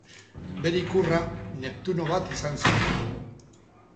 Bere ikurra Neptuno bat izan zen.